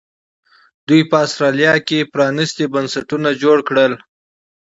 دوی په اسټرالیا کې پرانیستي بنسټونه جوړ کړل.